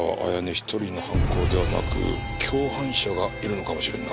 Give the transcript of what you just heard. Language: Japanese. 一人の犯行ではなく共犯者がいるのかもしれんな。